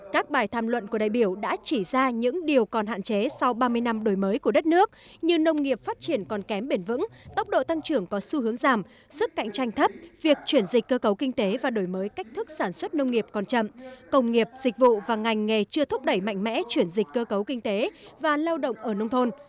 các bài tham luận của đại biểu đã chỉ ra những điều còn hạn chế sau ba mươi năm đổi mới của đất nước như nông nghiệp phát triển còn kém bền vững tốc độ tăng trưởng có xu hướng giảm sức cạnh tranh thấp việc chuyển dịch cơ cấu kinh tế và đổi mới cách thức sản xuất nông nghiệp còn chậm công nghiệp dịch vụ và ngành nghề chưa thúc đẩy mạnh mẽ chuyển dịch cơ cấu kinh tế và lao động ở nông thôn